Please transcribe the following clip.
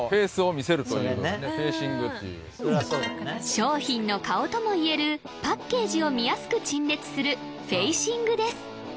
商品の顔ともいえるパッケージを見やすく陳列するフェイシングです